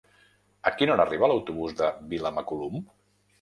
A quina hora arriba l'autobús de Vilamacolum?